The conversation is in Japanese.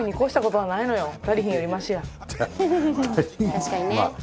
確かにね。